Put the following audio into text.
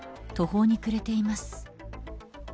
途方にくれています。